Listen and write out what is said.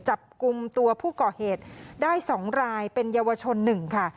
จับกลุ่มตัวผู้ก่อเหตุได้๒รายเป็นเยาวชน๑ค่ะ